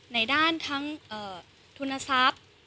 ในด้านทั้งทุนทรัพย์